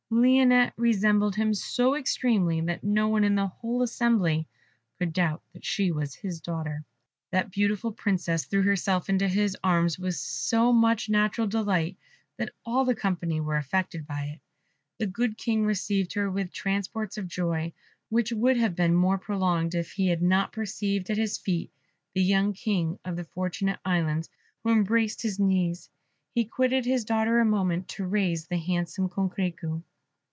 Lionette resembled him so extremely that no one in the whole assembly could doubt she was his daughter. That beautiful Princess threw herself into his arms with so much natural delight, that all the company were affected by it. The good King received her with transports of joy, which would have been more prolonged if he had not perceived at his feet the young King of the Fortunate Islands, who embraced his knees. He quitted his daughter a moment to raise the handsome Coquerico.